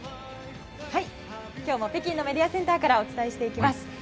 今日も北京のメディアセンターからお伝えしていきます。